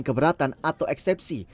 keberatan atau eksepsi